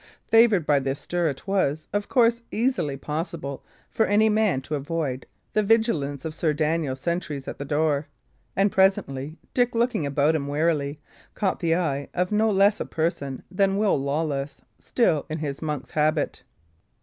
Favoured by this stir, it was of course easily possible for any man to avoid the vigilance of Sir Daniel's sentries at the door; and presently Dick, looking about him wearily, caught the eye of no less a person than Will Lawless, still in his monk's habit.